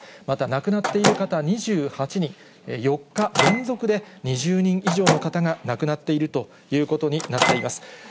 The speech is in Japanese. また亡くなっている方は２８人、４日連続で、２０人以上の方が亡くなっているということになっています。